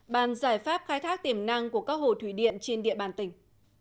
bàn giải pháp khai thác tiềm năng của các hồ thủy điện trên địa bàn tỉnh